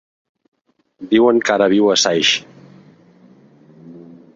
Diuen que ara viu a Saix.